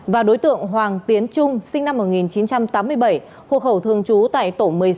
và đối tượng hoàng tiến trung sinh năm một nghìn chín trăm tám mươi bảy hộ khẩu thường trú tại tổ một mươi sáu